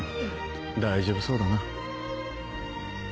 大丈夫そうだな。